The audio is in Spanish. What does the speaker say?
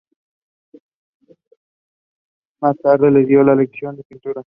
Más tarde le dio lecciones de pintura.